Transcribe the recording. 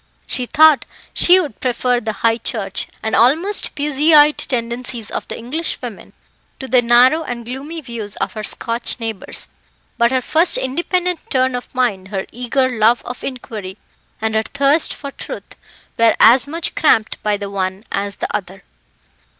She thought she would prefer the High Church, and almost Puseyite, tendencies of the English women to the narrow and gloomy views of her Scotch neighbours; but her independent turn of mind, her eager love of inquiry and her thirst for truth, were as much cramped by the one as the other.